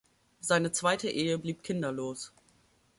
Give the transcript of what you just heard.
Seine zweite Ehe blieb kinderlos.